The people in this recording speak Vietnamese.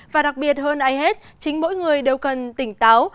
và đặc biệt hơn ai hết chính mỗi người đều cần tỉnh táo